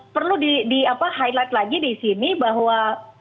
perlu di highlight lagi di sini bahwa